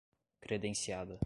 credenciada